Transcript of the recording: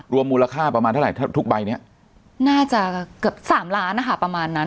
มูลค่าประมาณเท่าไหร่ทุกใบนี้น่าจะเกือบ๓ล้านนะคะประมาณนั้น